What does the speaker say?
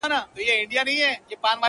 چي د عیش پیمانه نه غواړې نسکوره.!